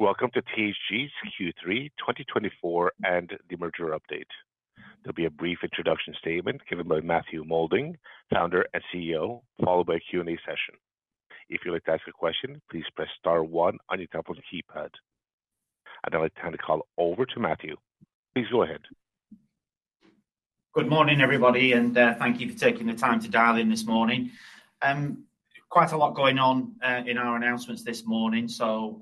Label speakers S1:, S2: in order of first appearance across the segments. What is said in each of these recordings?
S1: Welcome to THG's Q3 2024, and Demerger Update. There'll be a brief introduction statement given by Matthew Moulding, Founder and CEO, followed by a Q&A session. If you'd like to ask a question, please press star one on your telephone keypad. I'd now like to hand the call over to Matthew. Please go ahead.
S2: Good morning, everybody, and thank you for taking the time to dial in this morning. Quite a lot going on in our announcements this morning, so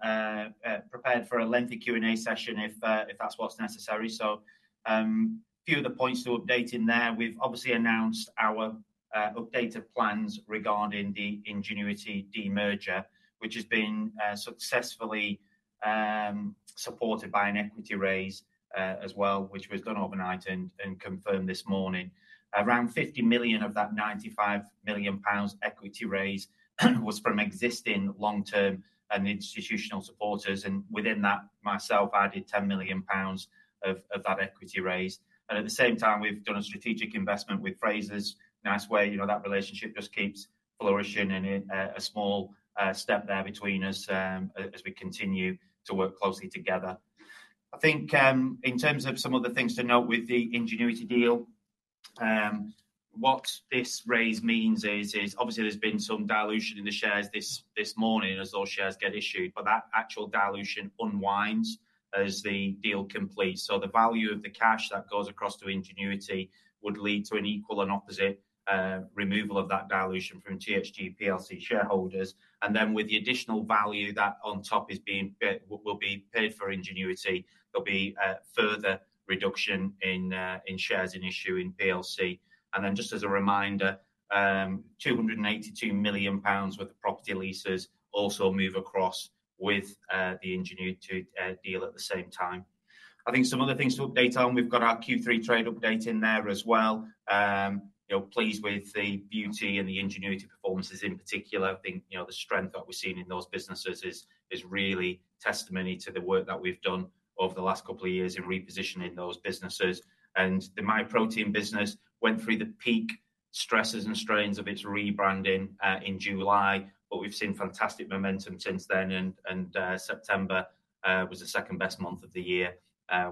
S2: prepared for a lengthy Q&A session if that's what's necessary. So, few of the points to update in there. We've obviously announced our updated plans regarding the Ingenuity demerger, which has been successfully supported by an equity raise as well, which was done overnight and confirmed this morning. Around 50 million of that 95 million pounds equity raise was from existing long-term and institutional supporters, and within that, myself added 10 million pounds of that equity raise. At the same time, we've done a strategic investment with Frasers. Nice way, you know, that relationship just keeps flourishing, and a small step there between us, as we continue to work closely together. I think, in terms of some of the things to note with the Ingenuity deal, what this raise means is obviously there's been some dilution in the shares this morning as those shares get issued, but that actual dilution unwinds as the deal completes. So the value of the cash that goes across to Ingenuity would lead to an equal and opposite removal of that dilution from THG PLC shareholders. And then with the additional value that on top is being paid, will be paid for Ingenuity, there'll be further reduction in shares in issue in PLC. Then just as a reminder, 282 million pounds worth of property leases also move across with the Ingenuity deal at the same time. I think some other things to update on. We've got our Q3 trade update in there as well. You know, pleased with the Beauty and the Ingenuity performances in particular. I think, you know, the strength that we're seeing in those businesses is really testimony to the work that we've done over the last couple of years in repositioning those businesses. The Myprotein business went through the peak stresses and strains of its rebranding in July, but we've seen fantastic momentum since then, and September was the second-best month of the year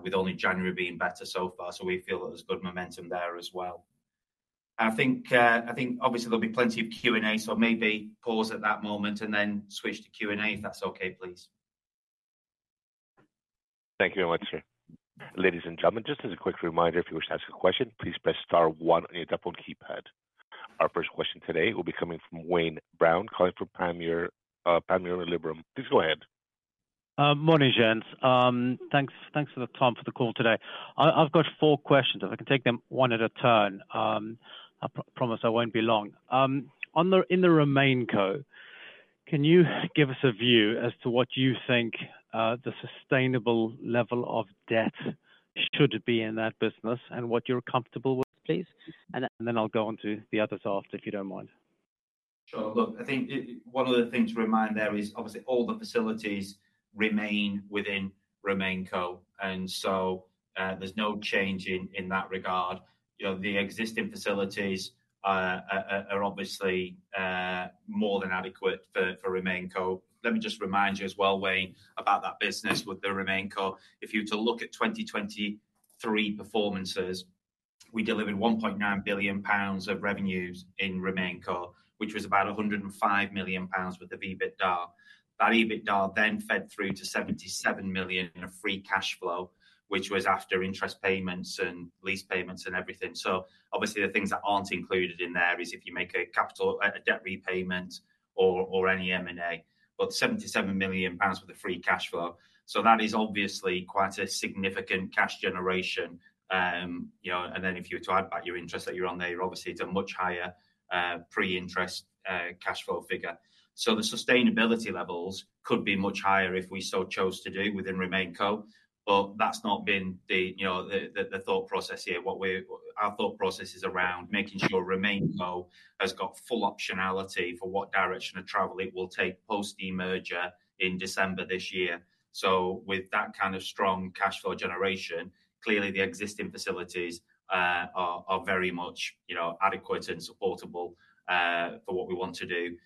S2: with only January being better so far. We feel there's good momentum there as well. I think obviously there'll be plenty of Q&A, so maybe pause at that moment and then switch to Q&A, if that's okay, please.
S1: Thank you very much, sir. Ladies and gentlemen, just as a quick reminder, if you wish to ask a question, please press star one on your telephone keypad. Our first question today will be coming from Wayne Brown, calling from Panmure Liberum. Please go ahead.
S3: Morning, gents. Thanks for the time for the call today. I've got four questions, if I can take them one at a time. I promise I won't be long. In the RemainCo, can you give us a view as to what you think the sustainable level of debt should be in that business and what you're comfortable with, please? And then I'll go on to the others after, if you don't mind.
S2: Sure. Look, I think one of the things to remind there is obviously all the facilities remain within RemainCo, and so, there's no change in that regard. You know, the existing facilities are obviously more than adequate for RemainCo. Let me just remind you as well, Wayne, about that business with the RemainCo. If you were to look at 2023 performances, we delivered 1.9 billion pounds of revenues in RemainCo, which was about 105 million pounds with the EBITDA. That EBITDA then fed through to 77 million in free cash flow, which was after interest payments and lease payments and everything. So obviously, the things that aren't included in there is if you make a capital, a debt repayment or any M&A, but 77 million pounds with free cash flow. That is obviously quite a significant cash generation. You know, and then if you add back your interest that you're on there, obviously, it's a much higher, pre-interest, cash flow figure. The sustainability levels could be much higher if we so chose to do within RemainCo, but that's not been the, you know, thought process here. Our thought process is around making sure RemainCo has got full optionality for what direction of travel it will take post-demerger in December this year. With that kind of strong cash flow generation, clearly the existing facilities are very much, you know, adequate and supportable, for what we want to do.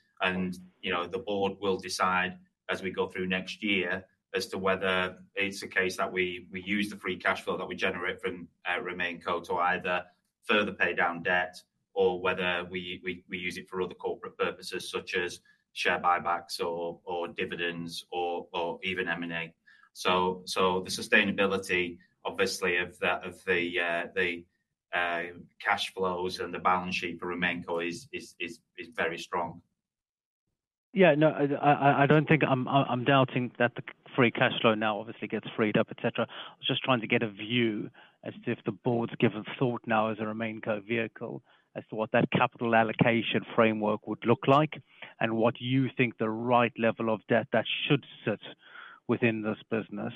S2: You know, the board will decide as we go through next year as to whether it's the case that we use the free cash flow that we generate from RemainCo to either further pay down debt or whether we use it for other corporate purposes, such as share buybacks or dividends or even M&A. So the sustainability, obviously, of the cash flows and the balance sheet for RemainCo is very strong.
S3: Yeah. No, I don't think I'm doubting that the free cash flow now obviously gets freed up, et cetera. I was just trying to get a view as to if the board's given thought now as a RemainCo vehicle as to what that capital allocation framework would look like, and what you think the right level of debt that should sit within this business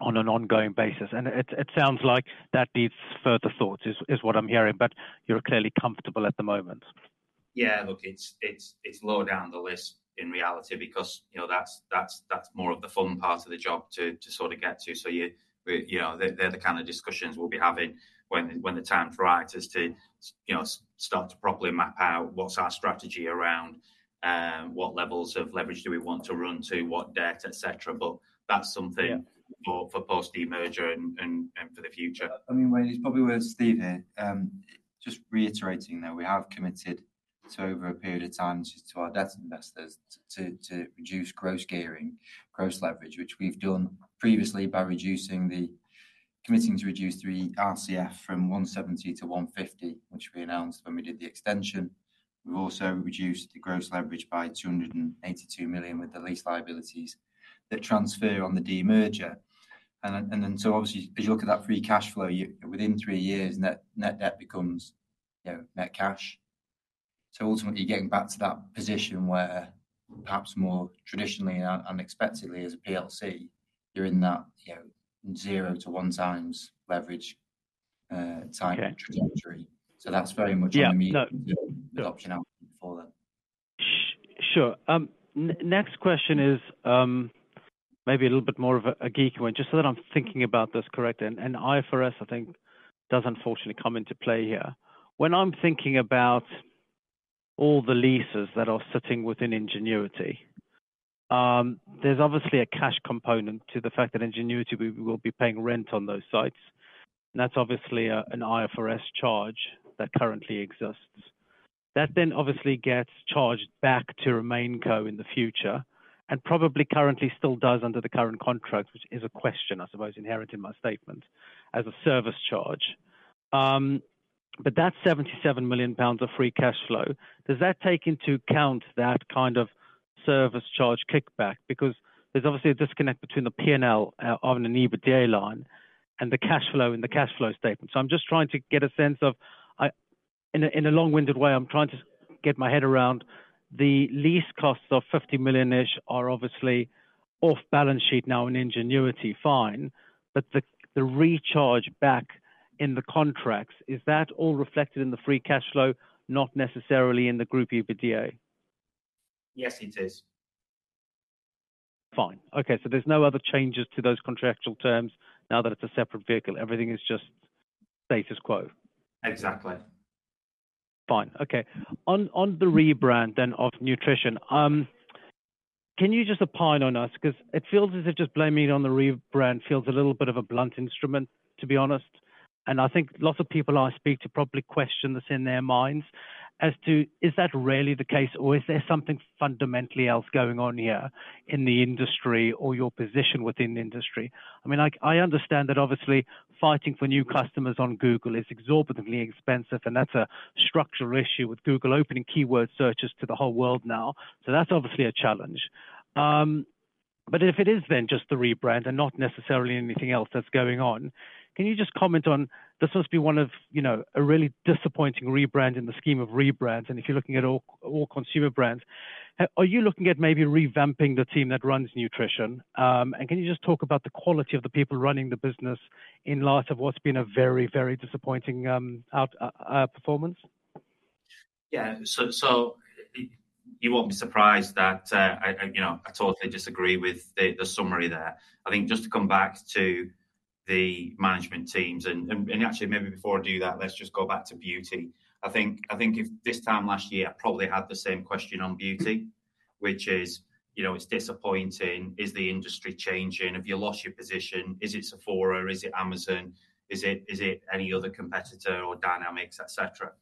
S3: on an ongoing basis. And it sounds like that needs further thought, is what I'm hearing, but you're clearly comfortable at the moment.
S2: Yeah, look, it's low down the list in reality because, you know, that's more of the fun part of the job to sort of get to. So you, we, you know, they're the kind of discussions we'll be having when the time's right is to, you know, start to properly map out what's our strategy around what levels of leverage do we want to run to, what debt, et cetera. But that's something-
S4: Yeah
S2: for post demerger and for the future.
S4: I mean, well, it's probably worth, Steve here, just reiterating that we have committed to over a period of time to our debt investors to reduce gross gearing, gross leverage, which we've done previously by committing to reduce the RCF from 170 million to 150 million, which we announced when we did the extension. We've also reduced the gross leverage by 282 million with the lease liabilities that transfer on the demerger. And then so obviously, as you look at that free cash flow, within three years, net debt becomes, you know, net cash. So ultimately, you're getting back to that position where perhaps more traditionally and unexpectedly as a PLC, you're in that, you know, 0 to 1x leverage type of trajectory.
S2: Yeah.
S4: So that's very much on the-
S3: Yeah. No
S4: option outcome for that.
S3: Sure. Next question is maybe a little bit more of a geek one, just so that I'm thinking about this correct, and IFRS, I think, does unfortunately come into play here. When I'm thinking about all the leases that are sitting within Ingenuity, there's obviously a cash component to the fact that Ingenuity will be paying rent on those sites, and that's obviously an IFRS charge that currently exists. That then obviously gets charged back to RemainCo in the future, and probably currently still does under the current contract, which is a question, I suppose, inherent in my statement as a service charge. But that 77 million pounds of free cash flow, does that take into account that kind of service charge kickback? Because there's obviously a disconnect between the P&L on an EBITDA line and the cash flow in the cash flow statement. So I'm just trying to get a sense of, in a long-winded way, I'm trying to get my head around the lease costs of fifty million-ish are obviously off balance sheet now in Ingenuity. Fine, but the recharge back in the contracts, is that all reflected in the free cash flow, not necessarily in the group EBITDA?
S2: Yes, it is.
S3: Fine. Okay, so there's no other changes to those contractual terms now that it's a separate vehicle. Everything is just status quo?
S2: Exactly.
S3: Fine. Okay. On the rebrand then of Nutrition, can you just opine on us? Because it feels as if just blaming it on the rebrand feels a little bit of a blunt instrument, to be honest, and I think lots of people I speak to probably question this in their minds as to, is that really the case, or is there something fundamentally else going on here in the industry or your position within the industry? I mean, I understand that obviously fighting for new customers on Google is exorbitantly expensive, and that's a structural issue with Google opening keyword searches to the whole world now. So that's obviously a challenge. But if it is then just the rebrand and not necessarily anything else that's going on, can you just comment on... This must be one of, you know, a really disappointing rebrand in the scheme of rebrands, and if you're looking at all, all consumer brands, are you looking at maybe revamping the team that runs Nutrition? And can you just talk about the quality of the people running the business in light of what's been a very, very disappointing outperformance?
S2: Yeah. So you won't be surprised that, you know, I totally disagree with the summary there. I think just to come back to the management teams and actually, maybe before I do that, let's just go back to Beauty. I think if this time last year, I probably had the same question on Beauty, which is, you know, it's disappointing. Is the industry changing? Have you lost your position? Is it Sephora? Is it Amazon? Is it any other competitor or dynamics, et cetera?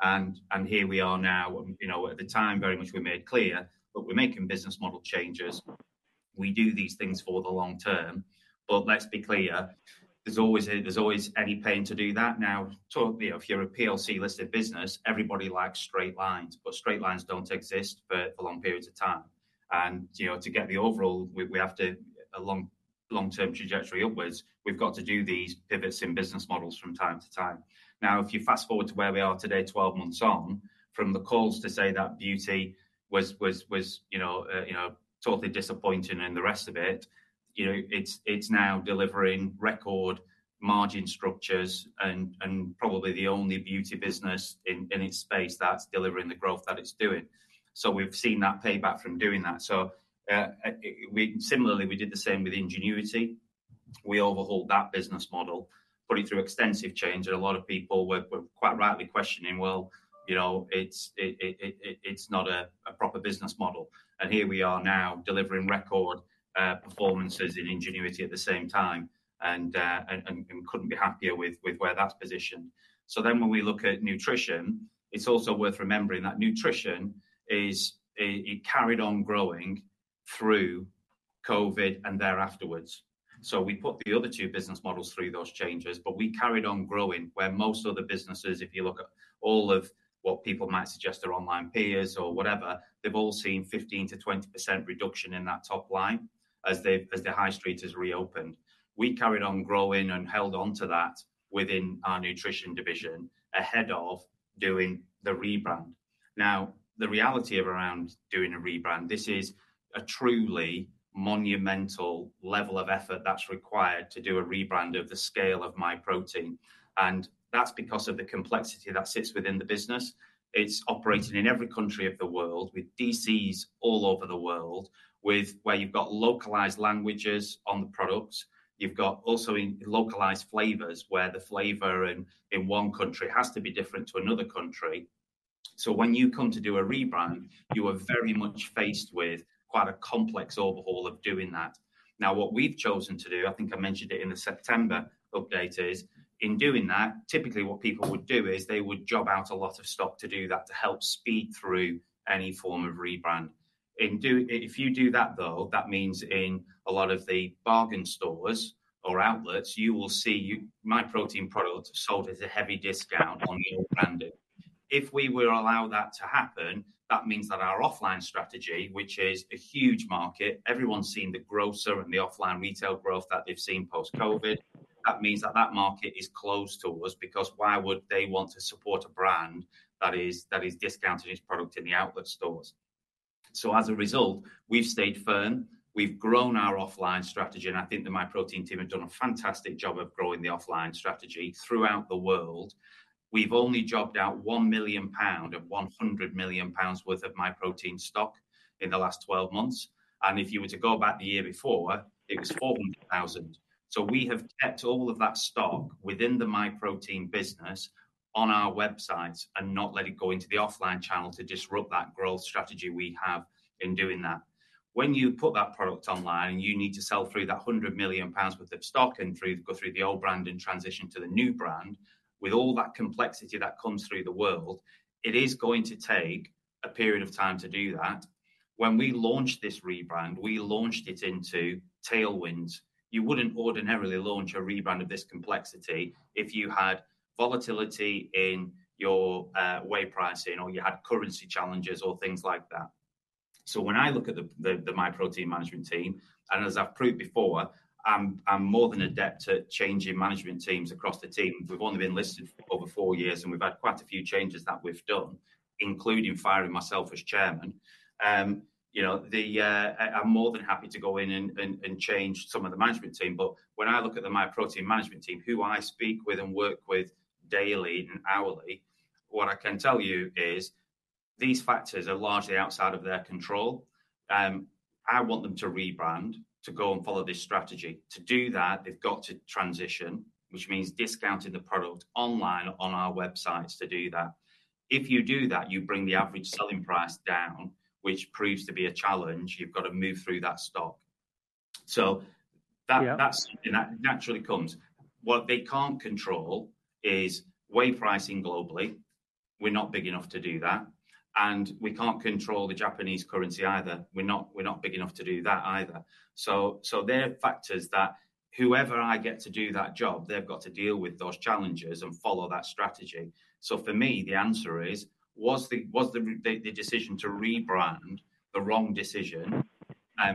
S2: And here we are now, you know, at the time, very much we made clear that we're making business model changes. We do these things for the long term. But let's be clear, there's always a, there's always any pain to do that. Now, you know, if you're a PLC-listed business, everybody likes straight lines, but straight lines don't exist for long periods of time. And, you know, to get the overall, we have to have a long-term trajectory upwards, we've got to do these pivots in business models from time to time. Now, if you fast forward to where we are today, 12 months on, from the calls to say that Beauty was, you know, totally disappointing and the rest of it, you know, it's now delivering record margin structures and probably the only Beauty business in its space that's delivering the growth that it's doing. So we've seen that payback from doing that. So, similarly, we did the same with Ingenuity. We overhauled that business model, put it through extensive change, and a lot of people were quite rightly questioning, "Well, you know, it's not a proper business model," and here we are now delivering record performances in Ingenuity at the same time, and couldn't be happier with where that's positioned. So then when we look at Nutrition, it's also worth remembering that Nutrition carried on growing through COVID and thereafterwards. So we put the other two business models through those changes, but we carried on growing, where most other businesses, if you look at all of what people might suggest are online peers or whatever, they've all seen 15%-20% reduction in that top line as the high street has reopened. We carried on growing and held on to that within our Nutrition division ahead of doing the rebrand. Now, the reality around doing a rebrand, this is a truly monumental level of effort that's required to do a rebrand of the scale of Myprotein, and that's because of the complexity that sits within the business. It's operating in every country of the world, with DCs all over the world, where you've got localized languages on the products. You've also got localized flavors, where the flavor in one country has to be different to another country... so when you come to do a rebrand, you are very much faced with quite a complex overhaul of doing that. Now, what we've chosen to do, I think I mentioned it in the September update, is in doing that, typically what people would do is they would job out a lot of stock to do that, to help speed through any form of rebrand. If you do that, though, that means in a lot of the bargain stores or outlets, you will see Myprotein products sold as a heavy discount on the old branding. If we were to allow that to happen, that means that our offline strategy, which is a huge market, everyone's seen the grocer and the offline retail growth that they've seen post-COVID, that means that that market is closed to us, because why would they want to support a brand that is discounting its product in the outlet stores? So as a result, we've stayed firm, we've grown our offline strategy, and I think the Myprotein team have done a fantastic job of growing the offline strategy throughout the world. We've only jobbed out 1 million pound of 100 million pounds worth of Myprotein stock in the last 12 months, and if you were to go back the year before, it was 400,000. So we have kept all of that stock within the Myprotein business on our websites and not let it go into the offline channel to disrupt that growth strategy we have in doing that. When you put that product online, and you need to sell through that 100 million pounds worth of stock and go through the old brand and transition to the new brand, with all that complexity that comes through the world, it is going to take a period of time to do that. When we launched this rebrand, we launched it into tailwinds. You wouldn't ordinarily launch a rebrand of this complexity if you had volatility in your whey pricing, or you had currency challenges, or things like that. So when I look at the Myprotein management team, and as I've proved before, I'm more than adept at changing management teams across the team. We've only been listed for over four years, and we've had quite a few changes that we've done, including firing myself as Chairman. You know, the... I'm more than happy to go in and change some of the management team, but when I look at the Myprotein management team, who I speak with and work with daily and hourly, what I can tell you is these factors are largely outside of their control. I want them to rebrand, to go and follow this strategy. To do that, they've got to transition, which means discounting the product online on our websites to do that. If you do that, you bring the average selling price down, which proves to be a challenge. You've got to move through that stock. So that-
S3: Yeah.
S2: That's something that naturally comes. What they can't control is whey pricing globally. We're not big enough to do that, and we can't control the Japanese currency either. We're not big enough to do that either. So there are factors that whoever I get to do that job, they've got to deal with those challenges and follow that strategy. So for me, the answer is, was the decision to rebrand the wrong decision?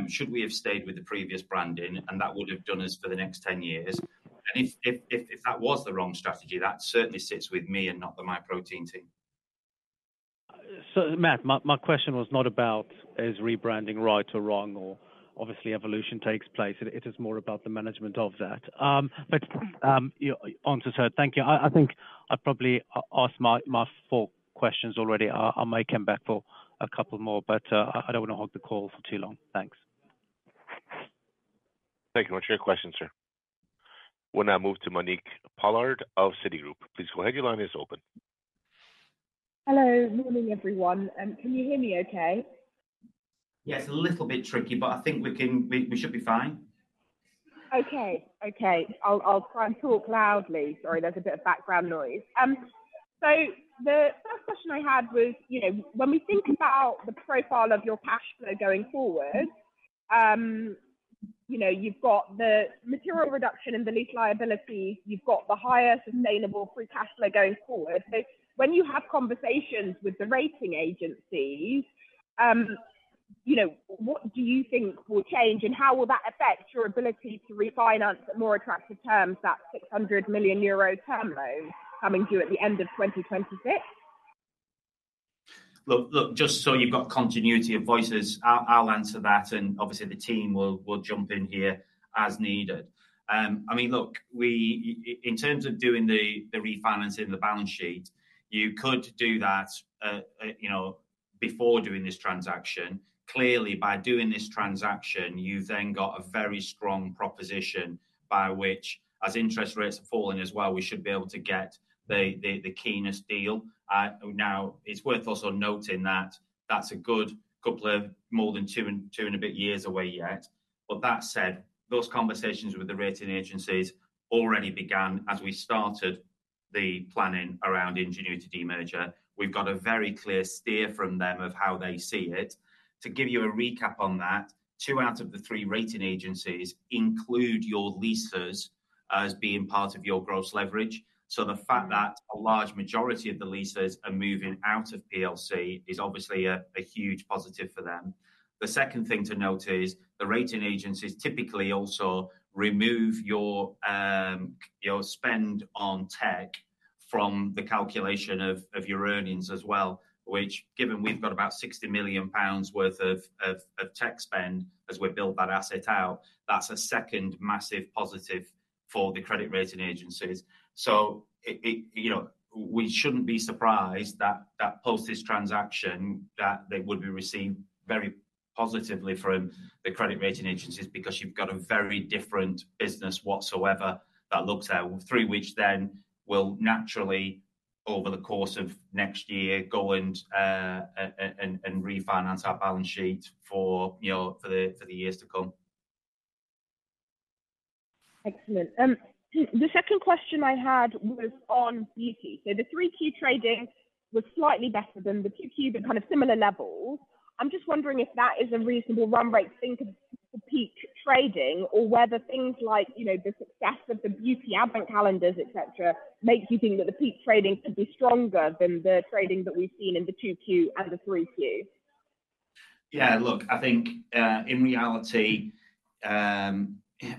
S2: Should we have stayed with the previous branding, and that would have done us for the next ten years? And if that was the wrong strategy, that certainly sits with me and not the Myprotein team.
S3: So, Matt, my question was not about is rebranding right or wrong, or obviously, evolution takes place. It is more about the management of that. But yeah, answer, sir. Thank you. I think I probably asked my four questions already. I might come back for a couple more, but I don't wanna hold the call for too long. Thanks.
S1: Thank you much for your question, sir. We'll now move to Monique Pollard of Citigroup. Please go ahead, your line is open.
S5: Hello, morning, everyone. Can you hear me okay?
S2: Yes, a little bit tricky, but I think we should be fine.
S5: Okay, okay. I'll try and talk loudly. Sorry, there's a bit of background noise. So the first question I had was, you know, when we think about the profile of your cash flow going forward, you know, you've got the material reduction in the lease liability, you've got the highest sustainable free cash flow going forward. So when you have conversations with the rating agencies, you know, what do you think will change, and how will that affect your ability to refinance at more attractive terms, that 600 million euro term loan coming due at the end of 2026?
S2: Look, look, just so you've got continuity of voices, I'll answer that, and obviously the team will jump in here as needed. I mean, look, in terms of doing the refinancing the balance sheet, you could do that, you know, before doing this transaction. Clearly, by doing this transaction, you've then got a very strong proposition by which, as interest rates are falling as well, we should be able to get the keenest deal. Now, it's worth also noting that that's a good couple of more than two and a bit years away yet. But that said, those conversations with the rating agencies already began as we started the planning around Ingenuity demerger. We've got a very clear steer from them of how they see it. To give you a recap on that, two out of the three rating agencies include your leases as being part of your gross leverage. So the fact that a large majority of the leases are moving out of PLC is obviously a huge positive for them. The second thing to note is, the rating agencies typically also remove your, your spend on tech from the calculation of your earnings as well, which, given we've got about 60 million pounds worth of tech spend as we build that asset out, that's a second massive positive for the credit rating agencies. So it, you know, we shouldn't be surprised that post this transaction, that they would be received very positively from the credit rating agencies, because you've got a very different business whatsoever that looks at, through which then will naturally-... Over the course of next year, go and refinance our balance sheet for, you know, for the years to come.
S5: Excellent. The second question I had was on Beauty. So the 3Q trading was slightly better than the 2Q, but kind of similar levels. I'm just wondering if that is a reasonable run rate to think of the peak trading or whether things like, you know, the success of the beauty advent calendars, et cetera, make you think that the peak trading could be stronger than the trading that we've seen in the 2Q and the 3Q?
S2: Yeah, look, I think in reality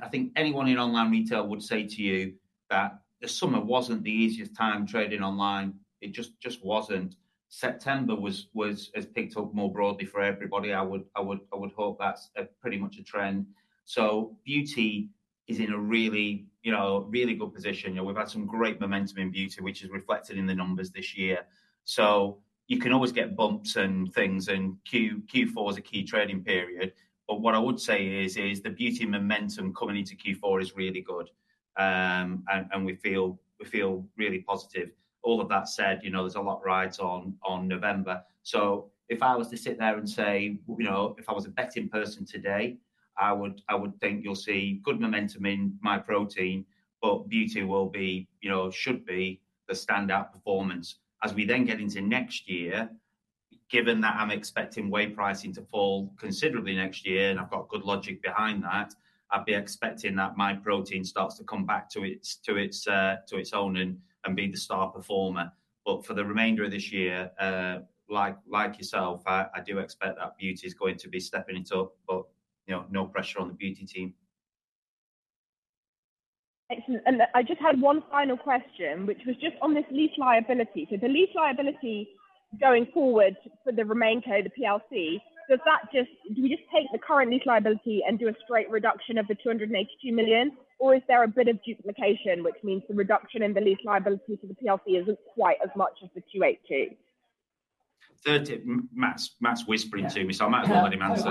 S2: I think anyone in online retail would say to you that the summer wasn't the easiest time trading online. It just wasn't. September has picked up more broadly for everybody. I would hope that's pretty much a trend. So Beauty is in a really, you know, really good position. You know, we've had some great momentum in Beauty, which is reflected in the numbers this year. So you can always get bumps and things, and Q4 is a key trading period. But what I would say is the Beauty momentum coming into Q4 is really good. And we feel really positive. All of that said, you know, there's a lot rides on November. So if I was to sit there and say, you know, if I was a betting person today, I would think you'll see good momentum in Myprotein, but Beauty will be, you know, should be the standout performance. As we then get into next year, given that I'm expecting whey pricing to fall considerably next year, and I've got good logic behind that, I'd be expecting that Myprotein starts to come back to its own and be the star performer. But for the remainder of this year, like yourself, I do expect that Beauty is going to be stepping it up, but, you know, no pressure on the Beauty team.
S5: Excellent and I just had one final question, which was just on this lease liability. So the lease liability going forward for the RemainCo, the PLC, does that just, do we just take the current lease liability and do a straight reduction of the 282 million? Or is there a bit of duplication, which means the reduction in the lease liability to the PLC isn't quite as much as the GBP 282 million?
S2: 30, Matt's whispering to me, so I might as well let him answer.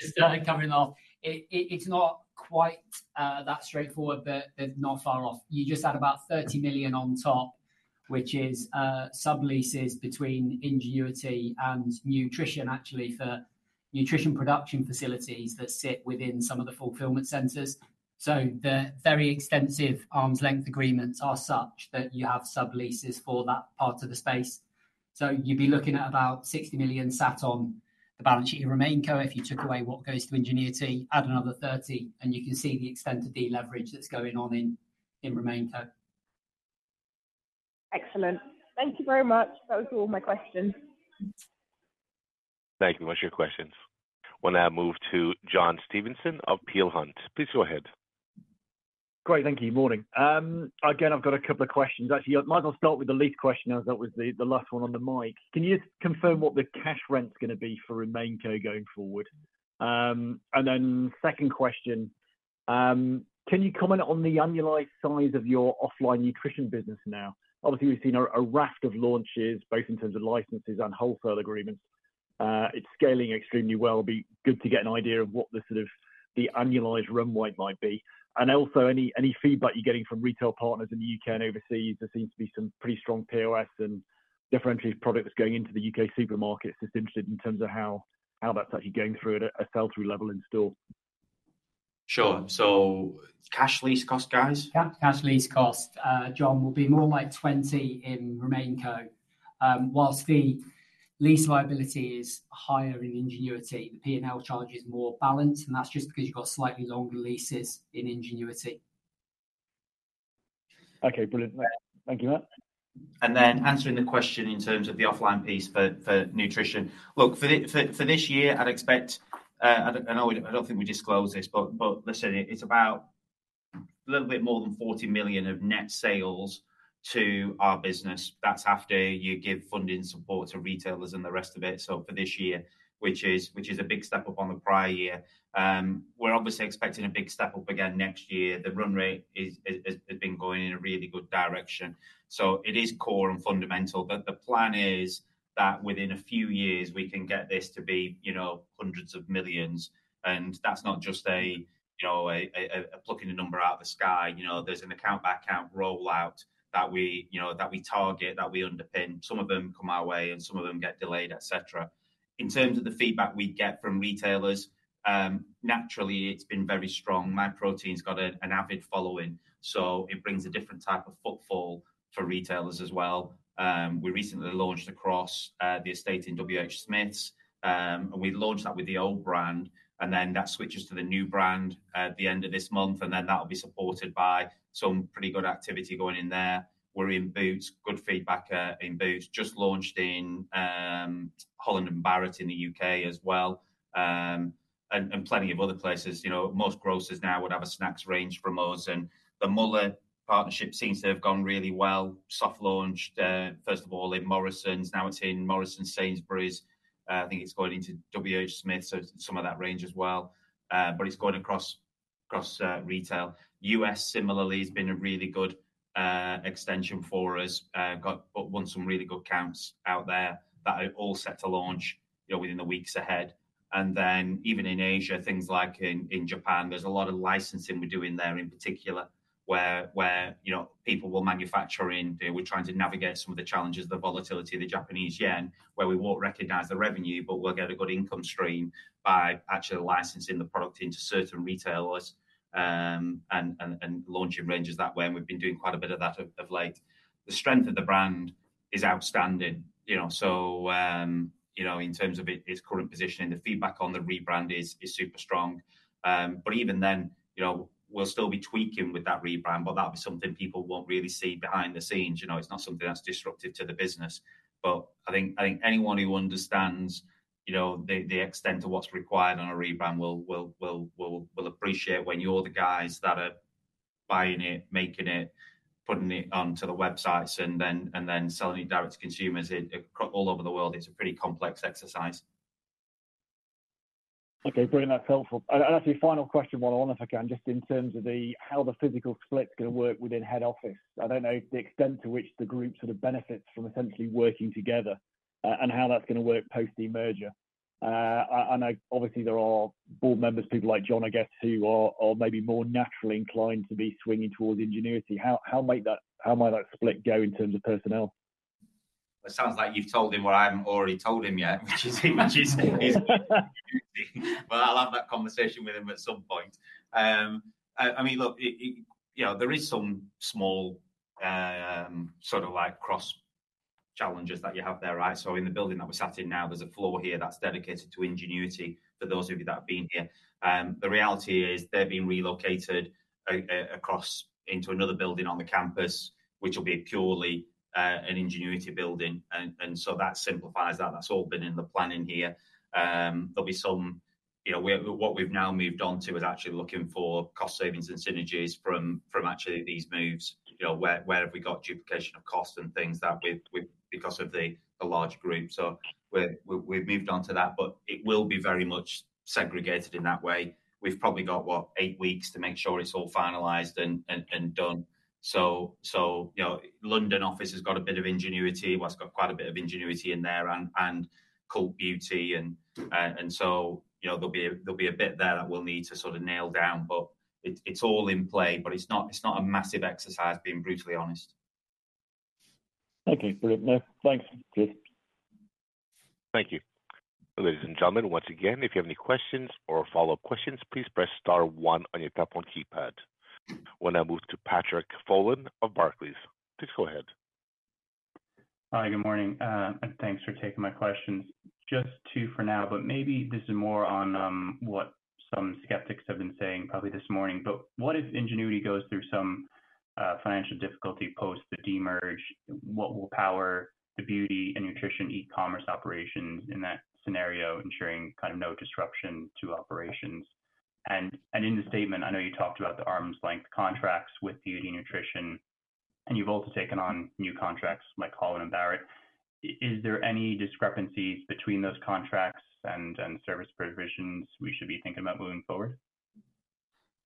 S6: Just coming off. It's not quite that straightforward, but it's not far off. You just add about 30 million on top, which is subleases between Ingenuity and Nutrition, actually, for Nutrition production facilities that sit within some of the fulfillment centers, so the very extensive arm's length agreements are such that you have subleases for that part of the space, so you'd be looking at about 60 million sat on the balance sheet of RemainCo. If you took away what goes to Ingenuity, add another 30 million, and you can see the extent of deleverage that's going on in RemainCo.
S5: Excellent. Thank you very much. That was all my questions.
S1: Thank you very much for your questions. We'll now move to John Stevenson of Peel Hunt. Please go ahead.
S7: Great, thank you. Morning. Again, I've got a couple of questions. Actually, I might as well start with the lease question, as that was the last one on the mic. Can you just confirm what the cash rent's gonna be for RemainCo going forward? And then second question, can you comment on the annualized size of your offline Nutrition business now? Obviously, we've seen a raft of launches, both in terms of licenses and wholesale agreements. It's scaling extremely well. It'd be good to get an idea of what the sort of annualized run rate might be. And also, any feedback you're getting from retail partners in the U.K. and overseas, there seems to be some pretty strong POS and differentiated products going into the U.K. supermarkets. Just interested in terms of how that's actually going through at a sell-through level in store?
S2: Sure. So cash lease cost, guys?
S7: Yeah,
S6: cash lease cost, John, will be more like 20 in RemainCo. While the lease liability is higher in Ingenuity, the P&L charge is more balanced, and that's just because you've got slightly longer leases in Ingenuity.
S7: Okay, brilliant. Thank you, Matt.
S2: And then answering the question in terms of the offline piece for Nutrition. Look, for this year, I'd expect. I don't know. I don't think we disclose this, but listen, it's about a little bit more than 40 million of net sales to our business. That's after you give funding support to retailers and the rest of it. So for this year, which is a big step up on the prior year, we're obviously expecting a big step up again next year. The run rate has been going in a really good direction, so it is core and fundamental. But the plan is that within a few years, we can get this to be, you know, hundreds of millions, and that's not just a, you know, a plucking a number out of the sky. You know, there's an account-by-account rollout that we, you know, that we target, that we underpin. Some of them come our way, and some of them get delayed, et cetera. In terms of the feedback we get from retailers, naturally, it's been very strong. Myprotein's got an avid following, so it brings a different type of footfall for retailers as well. We recently launched across the estate in WHSmith's, and we launched that with the old brand, and then that switches to the new brand at the end of this month, and then that will be supported by some pretty good activity going in there. We're in Boots. Good feedback in Boots. Just launched in Holland & Barrett in the U.K. as well, and plenty of other places. You know, most grocers now would have a snacks range from us, and the Müller partnership seems to have gone really well. Soft launched first of all in Morrisons. Now, it's in Morrisons, Sainsbury's. I think it's going into WHSmith, so some of that range as well, but it's going across retail. U.S., similarly, has been a really good extension for us. Got won some really good accounts out there that are all set to launch, you know, within the weeks ahead. And then, even in Asia, things like in Japan, there's a lot of licensing we're doing there in particular, where you know, people will manufacture in. They were trying to navigate some of the challenges, the volatility of the Japanese yen, where we won't recognize the revenue, but we'll get a good income stream by actually licensing the product into certain retailers, and launching ranges that way, and we've been doing quite a bit of that of late. The strength of the brand is outstanding, you know, so, you know, in terms of it, its current position and the feedback on the rebrand is super strong. But even then, you know, we'll still be tweaking with that rebrand, but that'll be something people won't really see behind the scenes. You know, it's not something that's disruptive to the business. I think anyone who understands, you know, the extent of what's required on a rebrand will appreciate when you're the guys that are buying it, making it, putting it onto the websites, and then selling it direct to consumers it all over the world. It's a pretty complex exercise.
S7: Okay, brilliant. That's helpful and actually, final question, one on, if I can, just in terms of how the physical split's gonna work within head office. I don't know the extent to which the group sort of benefits from essentially working together, and how that's gonna work post the merger. I know obviously there are board members, people like John, I guess, who are maybe more naturally inclined to be swinging towards Ingenuity. How might that split go in terms of personnel?
S2: It sounds like you've told him what I haven't already told him yet, which is, well, I'll have that conversation with him at some point. I mean, look, it, you know, there is some small, sort of like cross challenges that you have there, right? So in the building that we're sat in now, there's a floor here that's dedicated to Ingenuity, for those of you that have been here. The reality is, they're being relocated across into another building on the campus, which will be purely an Ingenuity building, and so that simplifies that. That's all been in the planning here. There'll be some. You know, what we've now moved on to is actually looking for cost savings and synergies from actually these moves. You know, where have we got duplication of costs and things that we've because of the large group. So we've moved on to that, but it will be very much segregated in that way. We've probably got what, eight weeks to make sure it's all finalized and done. You know, London office has got a bit of Ingenuity. Well, it's got quite a bit of Ingenuity in there and Cult Beauty and so, you know, there'll be a bit there that we'll need to sort of nail down, but it's all in play, but it's not a massive exercise, being brutally honest.
S7: Okay, brilliant. Thanks, Chris.
S1: Thank you. Ladies and gentlemen, once again, if you have any questions or follow-up questions, please press star one on your telephone keypad. We'll now move to Patrick Folan of Barclays. Please go ahead.
S8: Hi, good morning, and thanks for taking my questions. Just two for now, but maybe this is more on what some skeptics have been saying probably this morning, but what if Ingenuity goes through some financial difficulty post the demerger, what will power the Beauty and Nutrition e-commerce operations in that scenario, ensuring kind of no disruption to operations? And in the statement, I know you talked about the arm's-length contracts with Beauty and Nutrition, and you've also taken on new contracts like Holland & Barrett. Is there any discrepancies between those contracts and service provisions we should be thinking about moving forward?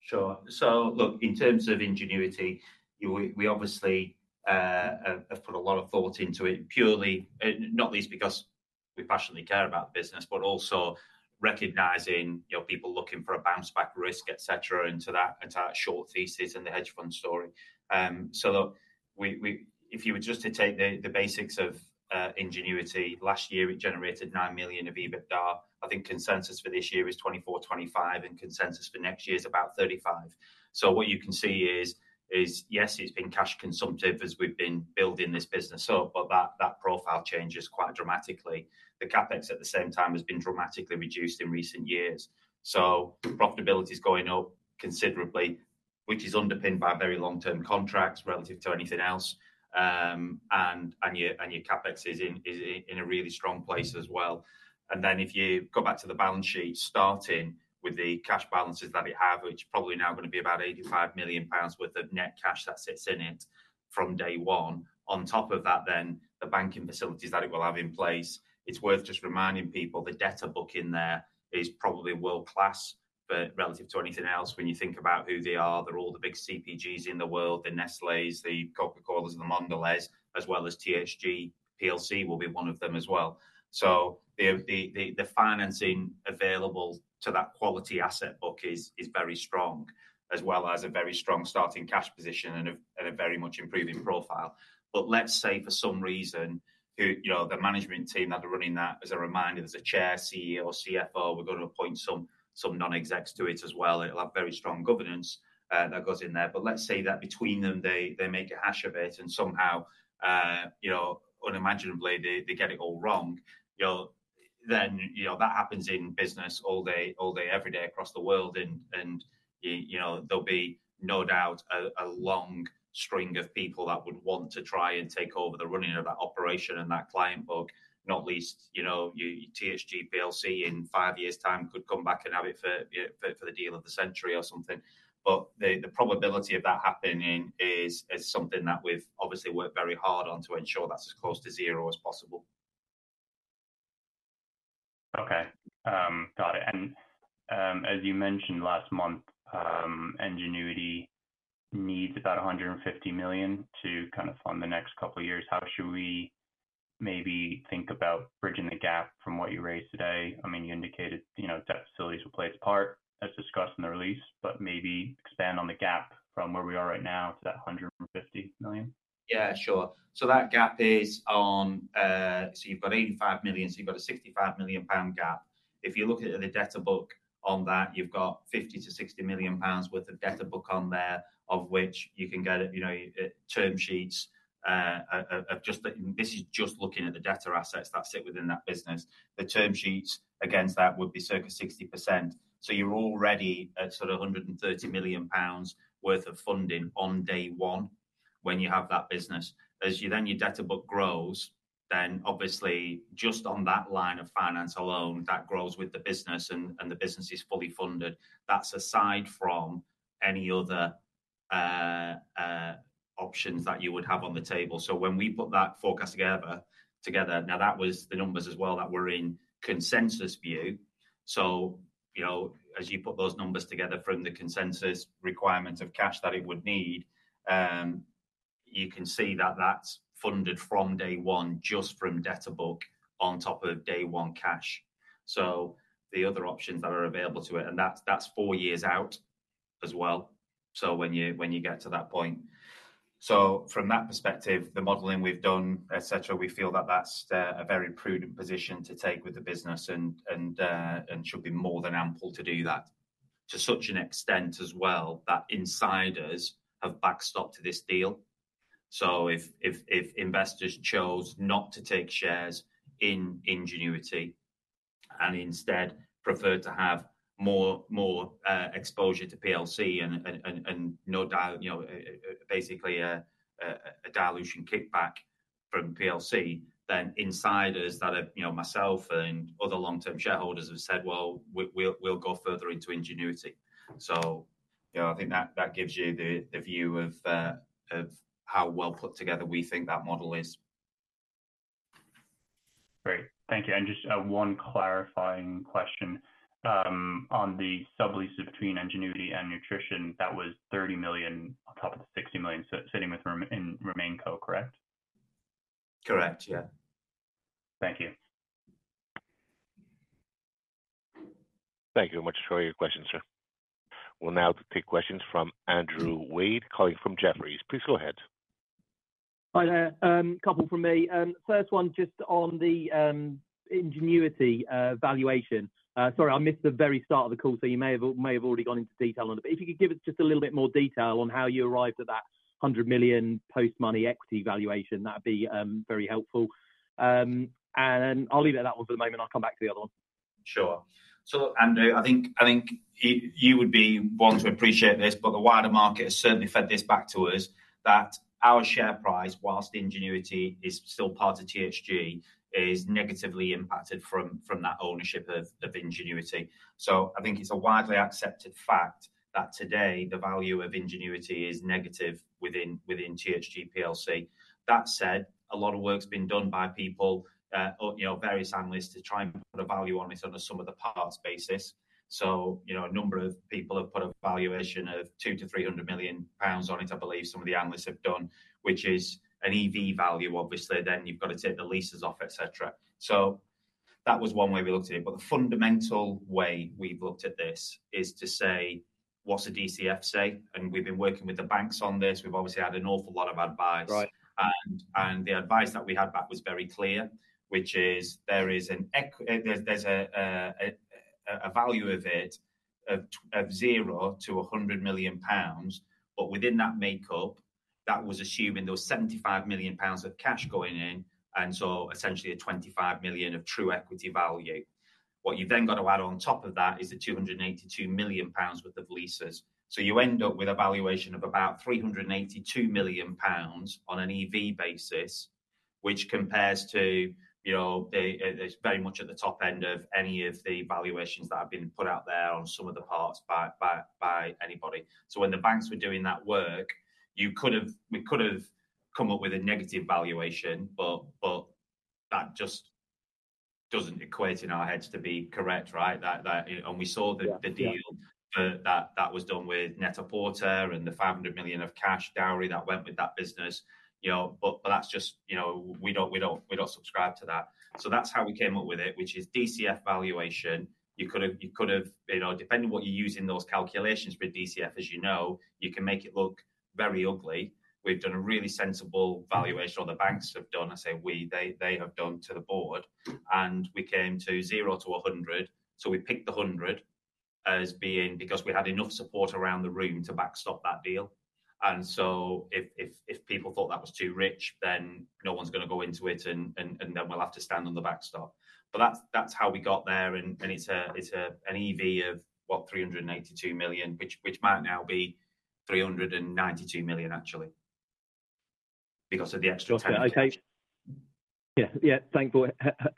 S2: Sure. So look, in terms of Ingenuity, we obviously have put a lot of thought into it, purely, not least because we passionately care about the business, but also recognizing, you know, people looking for a bounce back risk, et cetera, into that entire short thesis and the hedge fund story. So look, if you were just to take the basics of Ingenuity, last year it generated 9 million of EBITDA. I think consensus for this year is 24-25, and consensus for next year is about 35. So what you can see is yes, it has been cash consumptive as we have been building this business up, but that profile changes quite dramatically. The CapEx at the same time has been dramatically reduced in recent years. So profitability is going up considerably, which is underpinned by very long-term contracts relative to anything else and your CapEx is in a really strong place as well. Then if you go back to the balance sheet, starting with the cash balances that we have, which is probably now gonna be about 85 million pounds worth of net cash that sits in it from day one. On top of that, then, the banking facilities that it will have in place, it's worth just reminding people the debtor book in there is probably world-class, but relative to anything else, when you think about who they are, they're all the big CPGs in the world, the Nestlé, the Coca-Cola, and the Mondelēz, as well as THG PLC will be one of them as well. So the financing available to that quality asset book is very strong, as well as a very strong starting cash position and a very much improving profile. But let's say for some reason, you know, the management team that are running that, as a reminder, there's a Chair, CEO, CFO. We're gonna appoint some non-execs to it as well. It'll have very strong governance that goes in there. But let's say that between them, they make a hash of it and somehow, you know, unimaginably, they get it all wrong, you know. Then, you know, that happens in business all day, all day, every day across the world. You know, there'll be no doubt a long string of people that would want to try and take over the running of that operation and that client book, not least, you know, THG PLC, in five years' time could come back and have it for the deal of the century or something. But the probability of that happening is something that we've obviously worked very hard on to ensure that's as close to zero as possible.
S8: Okay. Got it. And, as you mentioned last month, Ingenuity needs about 150 million to kind of fund the next couple of years. How should we maybe think about bridging the gap from what you raised today. I mean, you indicated, you know, debt facilities will play its part, as discussed in the release, but maybe expand on the gap from where we are right now to that 150 million.
S2: Yeah, sure. So that gap is on, so you've got 85 million, so you've got a 65 million pound gap. If you look at the debtor book on that, you've got 50 million-60 million pounds worth of debtor book on there, of which you can get, you know, term sheets, of just the-- this is just looking at the debtor assets that sit within that business. The term sheets against that would be circa 60%. So you're already at sort of a 130 million pounds worth of funding on day one when you have that business. As you then your debtor book grows, then obviously just on that line of finance alone, that grows with the business and the business is fully funded. That's aside from any other options that you would have on the table. So when we put that forecast together now, that was the numbers as well that were in consensus view. So, you know, as you put those numbers together from the consensus requirement of cash that it would need, you can see that that's funded from day one, just from debtor book on top of day one cash. So the other options that are available to it, and that's four years out as well. So when you get to that point. So from that perspective, the modeling we've done, et cetera, we feel that that's a very prudent position to take with the business and should be more than ample to do that. To such an extent as well, that insiders have backstopped this deal. So if investors chose not to take shares in Ingenuity and instead prefer to have more exposure to PLC and no doubt, you know, basically a dilution kickback from PLC, then insiders that have, you know, myself and other long-term shareholders have said, "Well, we'll go further into Ingenuity." So, you know, I think that gives you the view of how well put together we think that model is.
S8: Great. Thank you. And just one clarifying question on the sublease between Ingenuity and Nutrition, that was 30 million on top of the 60 million sitting within RemainCo, correct?
S2: Correct, yeah.
S8: Thank you.
S1: Thank you very much for your question, sir. We'll now take questions from Andrew Wade, calling from Jefferies. Please go ahead.
S9: Hi there. A couple from me. First one, just on the Ingenuity valuation. Sorry, I missed the very start of the call, so you may have already gone into detail on it, but if you could give us just a little bit more detail on how you arrived at that 100 million post-money equity valuation, that'd be very helpful, and I'll leave it at that one for the moment. I'll come back to the other one.
S2: Sure. So, Andrew, I think you would be one to appreciate this, but the wider market has certainly fed this back to us that our share price, while Ingenuity is still part of THG, is negatively impacted from that ownership of Ingenuity. So I think it is a widely accepted fact that today the value of Ingenuity is negative within THG PLC. That said, a lot of work's been done by people, you know, various analysts to try and put a value on it on the sum of the parts basis. So, you know, a number of people have put a valuation of 200 million-300 million pounds on it, I believe some of the analysts have done, which is an EV value. Obviously, then you've got to take the leases off, et cetera. So that was one way we looked at it. But the fundamental way we've looked at this is to say, what's a DCF say? And we've been working with the banks on this. We've obviously had an awful lot of advice.
S4: Right.
S2: And the advice that we had back was very clear, which is there is an equity value of 0-100 million pounds, but within that makeup, that was assuming there was 75 million pounds of cash going in, and so essentially 25 million of true equity value. What you've then got to add on top of that is the 282 million pounds worth of leases. So you end up with a valuation of about 382 million pounds on an EV basis, which compares to, you know, the, it's very much at the top end of any of the valuations that have been put out there on some of the parts by anybody. So when the banks were doing that work, you could've, we could've come up with a negative valuation, but that just doesn't equate in our heads to be correct, right? That... And we saw the- the deal for that, that was done with Net-a-Porter and the 500 million of cash dowry that went with that business, you know, but that's just, you know, we don't subscribe to that. So that's how we came up with it, which is DCF valuation. You could've, you know, depending on what you use in those calculations with DCF, as you know, you can make it look very ugly. We've done a really sensible valuation, or the banks have done. I say we, they have done to the Board, and we came to 0-100. So we picked the 100 as being, because we had enough support around the room to backstop that deal. So if people thought that was too rich, then no one's gonna go into it and then we'll have to stand on the backstop. But that's how we got there, and it's an EV of, what? 382 million, which might now be 392 million, actually, because of the extra GBP 10-
S9: Yeah. Yeah. Thanks for it.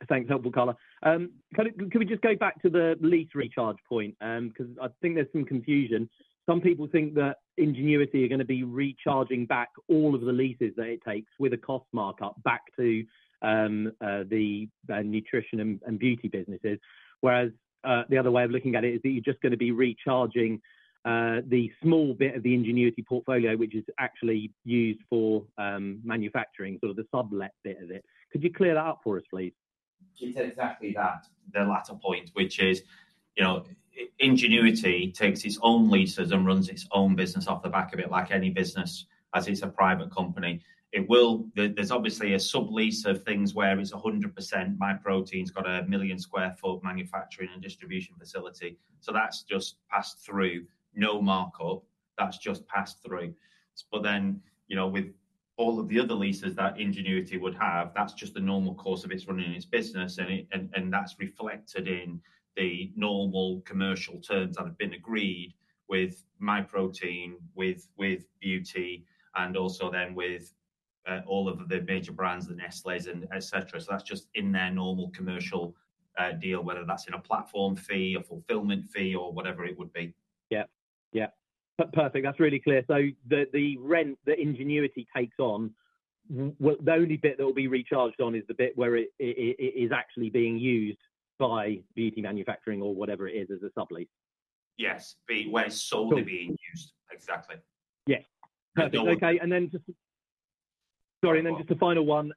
S9: Thanks, helpful color. Can we just go back to the lease recharge point? Because I think there's some confusion. Some people think that Ingenuity are gonna be recharging back all of the leases that it takes with a cost markup back to the Nutrition and Beauty businesses. Whereas the other way of looking at it is that you're just gonna be recharging the small bit of the Ingenuity portfolio, which is actually used for manufacturing, sort of the sublet bit of it. Could you clear that up for us, please?...
S2: It's exactly that, the latter point, which is, you know, Ingenuity takes its own leases and runs its own business off the back of it, like any business, as it's a private company. There's obviously a sublease of things where it's 100% Myprotein's got a 1 million sq ft manufacturing and distribution facility, so that's just passed through. No markup, that's just passed through. But then, you know, with all of the other leases that Ingenuity would have, that's just the normal course of its running its business, and it and that's reflected in the normal commercial terms that have been agreed with Myprotein, with Beauty, and also then with all of the major brands, the Nestlés and et cetera. So that's just in their normal commercial deal, whether that's in a platform fee, a fulfillment fee, or whatever it would be.
S9: Yeah. Yeah. Perfect, that's really clear. So the rent that Ingenuity takes on, well, the only bit that will be recharged on is the bit where it is actually being used by Beauty manufacturing or whatever it is, as a sublease?
S2: Yes, where it's solely being used. Exactly.
S9: Yeah, perfect.
S2: So-
S9: Okay, and then just... Sorry, and then just a final one.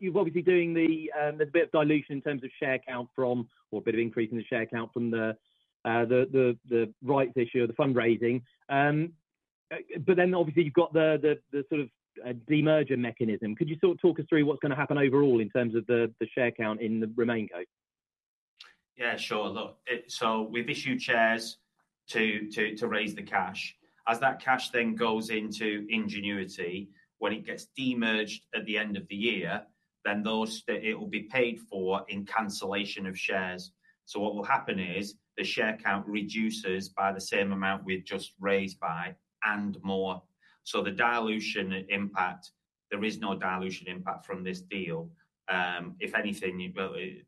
S9: You're obviously doing the bit of dilution in terms of share count from, or a bit of increase in the share count from the rights issue, the fundraising. But then obviously, you've got the sort of demerger mechanism. Could you sort of talk us through what's gonna happen overall in terms of the share count in the RemainCo?
S2: Yeah, sure. Look, it. So we've issued shares to raise the cash. As that cash then goes into Ingenuity, when it gets demerged at the end of the year, then those, it will be paid for in cancellation of shares. So what will happen is, the share count reduces by the same amount we've just raised by and more. So the dilution impact, there is no dilution impact from this deal. If anything, you know, it,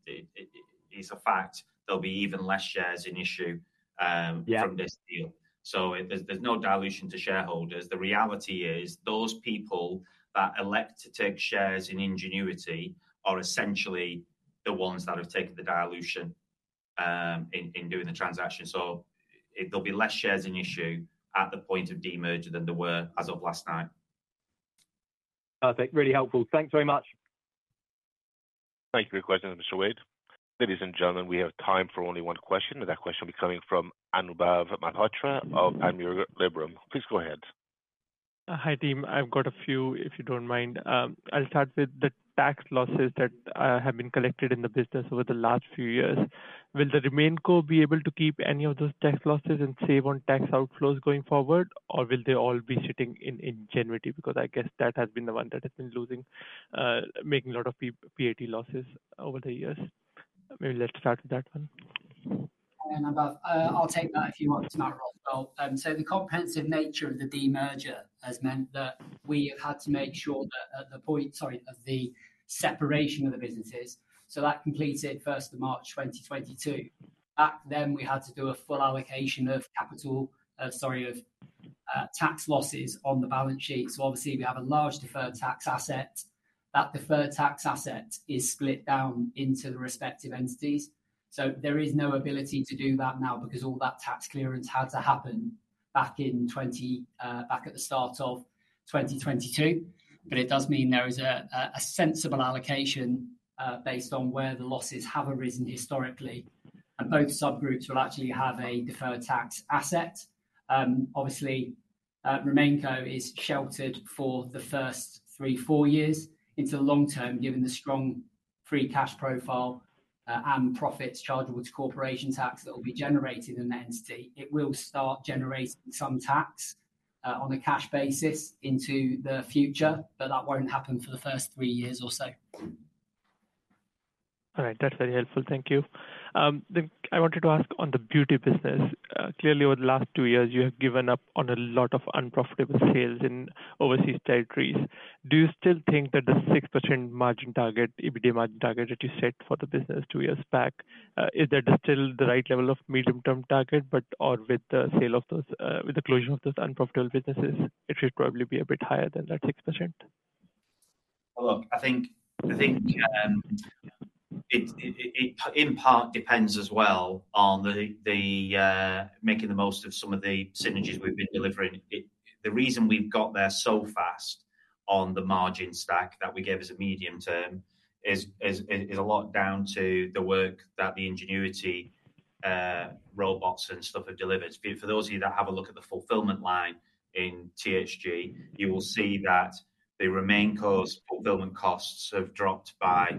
S2: it's in fact there'll be even less shares in issue.
S9: Yeah...
S2: from this deal. So it, there's no dilution to shareholders. The reality is, those people that elect to take shares in Ingenuity are essentially the ones that have taken the dilution in doing the transaction. So there'll be less shares in issue at the point of demerger than there were as of last time.
S9: Perfect. Really helpful. Thank you very much.
S1: Thank you for your question, Mr. Wade. Ladies and gentlemen, we have time for only one question, and that question will be coming from Anubhav Malhotra of Panmure Liberum. Please go ahead.
S10: Hi, team. I've got a few, if you don't mind. I'll start with the tax losses that have been collected in the business over the last few years. Will the RemainCo be able to keep any of those tax losses and save on tax outflows going forward, or will they all be sitting in Ingenuity? Because I guess that has been the one that has been losing, making a lot of PAT losses over the years. Maybe let's start with that one.
S6: Hi, Anubhav. I'll take that, if you want, Matt. So the comprehensive nature of the demerger has meant that we have had to make sure that at the point, sorry, of the separation of the businesses, so that completed first of March 2022. Back then, we had to do a full allocation of capital, sorry, of tax losses on the balance sheet. So obviously, we have a large deferred tax asset. That deferred tax asset is split down into the respective entities, so there is no ability to do that now because all that tax clearance had to happen back at the start of 2022. But it does mean there is a sensible allocation based on where the losses have arisen historically, and both subgroups will actually have a deferred tax asset. Obviously, RemainCo is sheltered for the first three, four years. Into the long term, given the strong free cash profile, and profits chargeable to corporation tax that will be generated in the entity, it will start generating some tax, on a cash basis into the future, but that won't happen for the first three years or so.
S10: All right, that's very helpful, thank you. Then I wanted to ask on the Beauty business, clearly, over the last two years, you have given up on a lot of unprofitable sales in overseas territories. Do you still think that the 6% margin target, EBITDA margin target, that you set for the business two years back, is that still the right level of medium-term target? But, or with the sale of those, with the closure of those unprofitable businesses, it should probably be a bit higher than that 6%.
S2: Look, I think in part it depends as well on making the most of some of the synergies we've been delivering. The reason we've got there so fast on the margin stack that we gave as a medium term is a lot down to the work that the Ingenuity robots and stuff have delivered. For those of you that have a look at the fulfillment line in THG, you will see that the RemainCo's fulfillment costs have dropped by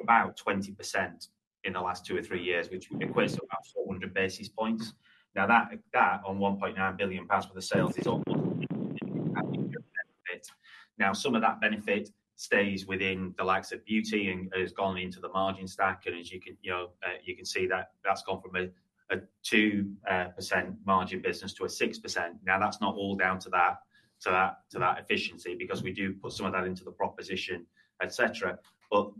S2: about 20% in the last two or three years, which equates to about 400 basis points. Now, that on 1.9 billion pounds worth of sales is almost benefit. Now, some of that benefit stays within the likes of Beauty and has gone into the margin stack. As you can, you know, you can see that that's gone from a 2% margin business to a 6%. Now, that's not all down to that efficiency because we do put some of that into the proposition, et cetera. But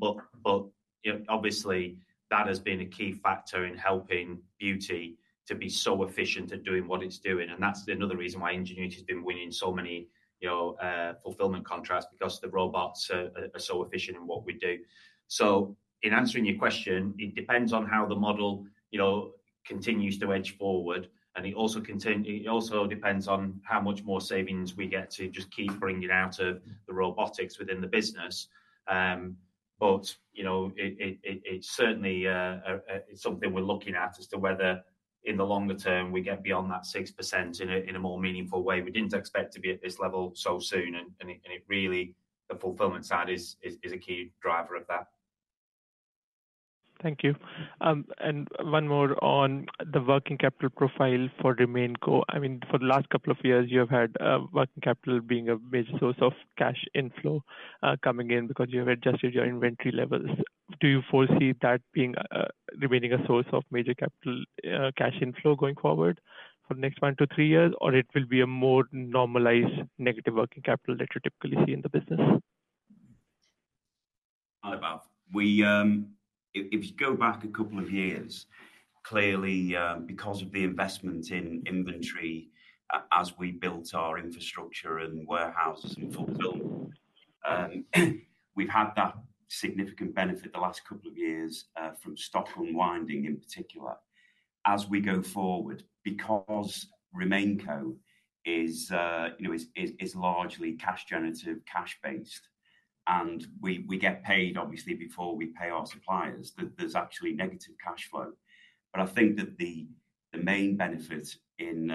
S2: you know, obviously, that has been a key factor in helping Beauty to be so efficient at doing what it's doing, and that's another reason why Ingenuity has been winning so many, you know, fulfillment contracts because the robots are so efficient in what we do. So in answering your question, it depends on how the model, you know, continues to edge forward, and it also depends on how much more savings we get to just keep bringing out of the robotics within the business. But you know, it certainly is something we're looking at as to whether in the longer term we get beyond that 6% in a more meaningful way. We didn't expect to be at this level so soon, and it really, the fulfillment side is a key driver of that.
S10: Thank you, and one more on the working capital profile for RemainCo. I mean, for the last couple of years, you have had working capital being a major source of cash inflow coming in because you have adjusted your inventory levels. Do you foresee that being remaining a source of major capital cash inflow going forward for the next one to three years, or it will be a more normalized negative working capital that you typically see in the business?
S4: Hi, Anubhav. We, if you go back a couple of years, clearly, because of the investment in inventory, as we built our infrastructure and warehouses and fulfilled, we've had that significant benefit the last couple of years, from stock unwinding, in particular. As we go forward, because RemainCo is, you know, largely cash generative, cash-based, and we get paid obviously before we pay our suppliers, there's actually negative cash flow. But I think that the main benefit in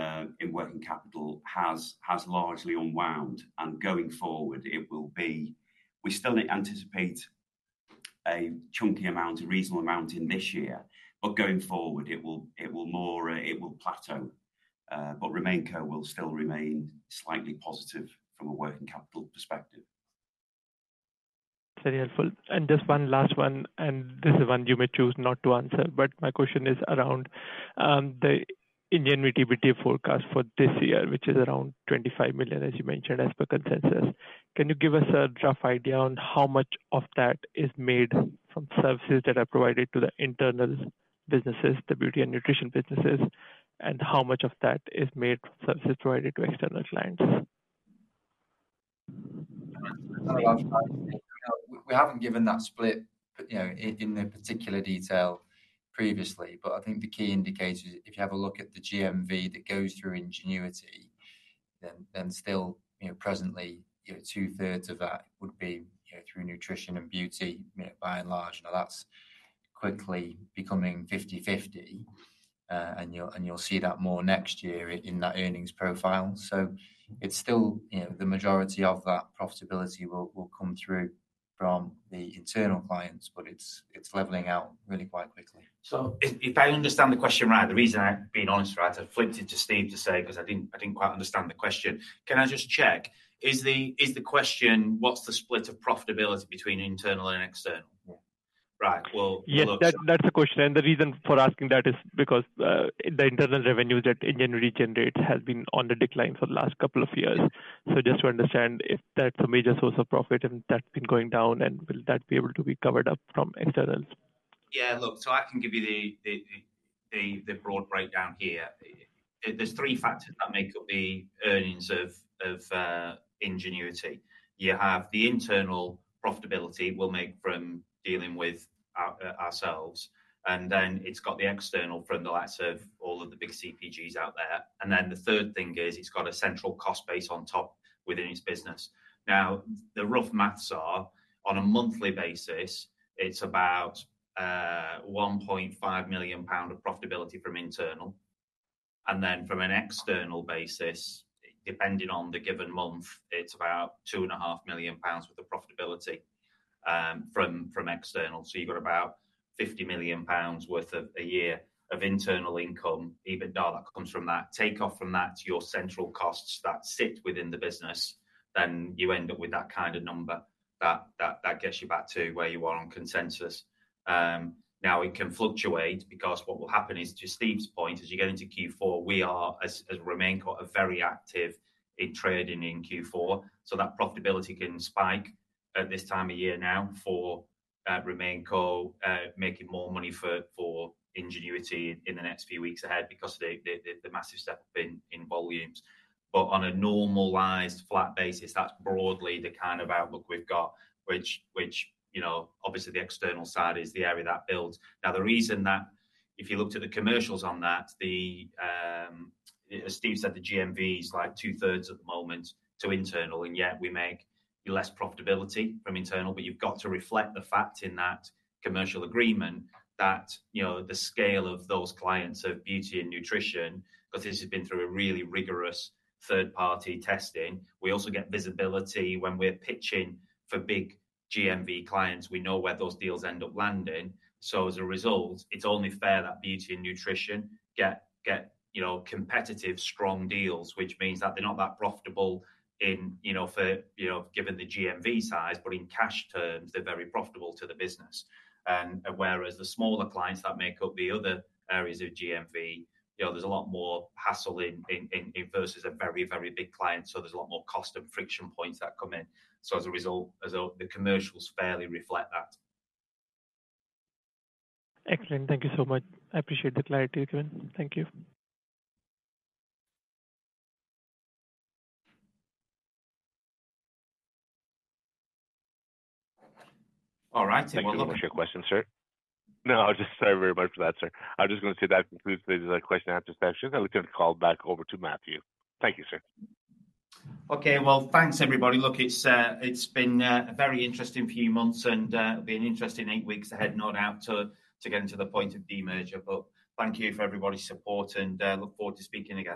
S4: working capital has largely unwound, and going forward, it will be. We still anticipate a chunky amount, a reasonable amount in this year, but going forward, it will plateau. But RemainCo will still remain slightly positive from a working capital perspective.
S10: Very helpful. And just one last one, and this is one you may choose not to answer, but my question is around the Ingenuity EBITDA forecast for this year, which is around 25 million, as you mentioned, as per consensus. Can you give us a rough idea on how much of that is made from services that are provided to the internal businesses, the Beauty and Nutrition businesses, and how much of that is made from services provided to external clients?
S4: We, we haven't given that split, you know, in, in the particular detail previously, but I think the key indicator, if you have a look at the GMV that goes through Ingenuity, then still, you know, presently, you know, 2/3 of that would be, you know, through Nutrition and Beauty, by and large. Now, that's quickly becoming fifty-fifty, and you'll, and you'll see that more next year in that earnings profile. So it's still, you know, the majority of that profitability will come through from the internal clients, but it's leveling out really quite quickly.
S2: So if I understand the question right, the reason I'm being honest, right, I flicked it to Steve to say, 'cause I didn't quite understand the question. Can I just check, is the question, what's the split of profitability between internal and external?
S10: Yeah.
S2: Right. Well-
S10: Yes, that, that's the question, and the reason for asking that is because the internal revenue that Ingenuity generates has been on the decline for the last couple of years. So just to understand if that's a major source of profit and that's been going down, and will that be able to be covered up from externals?
S2: Yeah, look, so I can give you the broad breakdown here. There's three factors that make up the earnings of Ingenuity. You have the internal profitability we'll make from dealing with our ourselves, and then it's got the external from the likes of all of the big CPGs out there. And then the third thing is it's got a central cost base on top within its business. Now, the rough math is, on a monthly basis, it's about 1.5 million pound of profitability from internal, and then from an external basis, depending on the given month, it's about 2.5 million pounds worth of profitability from external. So you've got about 50 million pounds worth of a year of internal income, EBITDA, that comes from that. Take off from that your central costs that sit within the business, then you end up with that kind of number, that gets you back to where you are on consensus. Now, it can fluctuate because what will happen is, to Steve's point, as you get into Q4, we, as RemainCo, are very active in trading in Q4, so that profitability can spike at this time of year now for RemainCo, making more money for Ingenuity in the next few weeks ahead because the massive step in volumes. But on a normalized flat basis, that's broadly the kind of outlook we've got, which, you know, obviously the external side is the area that builds. Now, the reason that if you looked at the commercials on that, the, as Steve said, the GMV is like 2/3 at the moment to internal, and yet we make less profitability from internal. But you've got to reflect the fact in that commercial agreement that, you know, the scale of those clients of Beauty and Nutrition, because this has been through a really rigorous third-party testing. We also get visibility when we're pitching for big GMV clients. We know where those deals end up landing. So as a result, it's only fair that Beauty and Nutrition get, you know, competitive, strong deals, which means that they're not that profitable in, you know, for, you know, given the GMV size, but in cash terms, they're very profitable to the business. Whereas the smaller clients that make up the other areas of GMV, you know, there's a lot more hassle in versus a very, very big client, so there's a lot more cost and friction points that come in. So as a result, the commercials fairly reflect that.
S10: Excellent. Thank you so much. I appreciate the clarity you've given. Thank you.
S2: All right.
S1: Thank you for your question, sir. No, just sorry very much for that, sir. I'm just going to say that concludes the question and answer session, and we turn the call back over to Matthew. Thank you, sir.
S2: Okay. Well, thanks, everybody. Look, it's been a very interesting few months and it'll be an interesting eight weeks ahead, no doubt, to get to the point of demerger. But thank you for everybody's support, and look forward to speaking again.